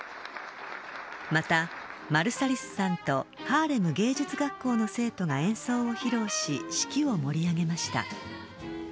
また、マルサリスさんとハーレム芸術学校の生徒が演奏を披露し式を盛り上げました。